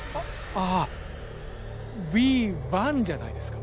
ああヴィヴァンじゃないですか？